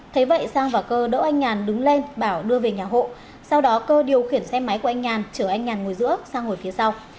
thế vậy sang và cơ đỗ anh nhàn đứng lên bảo đưa về nhà hộ sau đó cơ điều khiển xe máy của anh nhàn chở anh nhàn ngồi giữa sang ngồi phía sau